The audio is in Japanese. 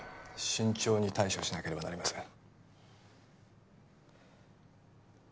慎重に対処しなければなりません。